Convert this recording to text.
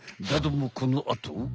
だどもこのあと。